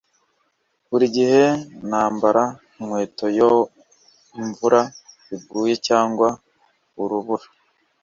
Buri gihe nambara inkweto iyo imvura iguye cyangwa urubura